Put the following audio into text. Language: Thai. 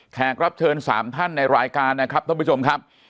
รับเชิญ๓ท่านในรายการนะครับท่านผู้ชมครับ